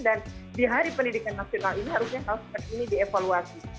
di hari pendidikan nasional ini harusnya kasus seperti ini dievaluasi